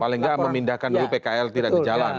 paling nggak memindahkan dulu pkl tidak ke jalan